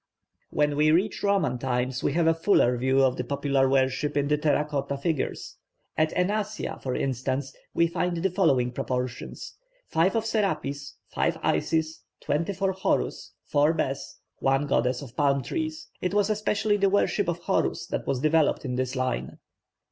When we reach Roman times we have a fuller view of the popular worship in the terra cotta figures. At Ehnasya, for instance, we find the following proportions five of Serapis, five Isis, twenty four Horus, four Bes, one goddess of palm trees. It was especially the worship of Horus that was developed in this line.